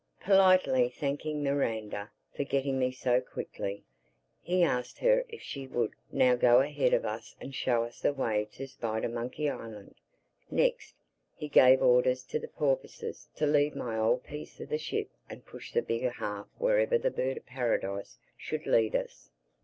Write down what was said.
Politely thanking Miranda for getting me so quickly, he asked her if she would now go ahead of us and show us the way to Spidermonkey Island. Next, he gave orders to the porpoises to leave my old piece of the ship and push the bigger half wherever the Bird of Paradise should lead us.